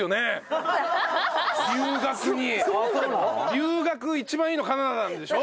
留学一番いいのカナダでしょ？